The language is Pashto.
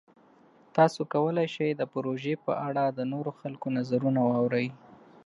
تاسو کولی شئ د پروژې په اړه د نورو خلکو نظرونه واورئ.